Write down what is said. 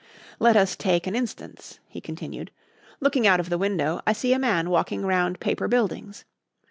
Let us take an instance," he continued. "Looking out of the window, I see a man walking round Paper Buildings.